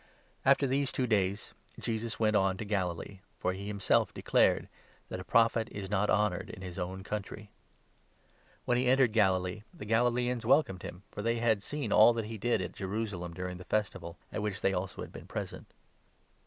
After these two days Jesus went on to Galilee ; 43 an officer f°r he himself declared that ' a Prophet is not 44 son in honoured in his own country.' When he entered 45 Gahiee. Galilee, the Galilaeans welcomed him, for they had seen all that he did at Jerusalem during the Festival, at which they also had been present.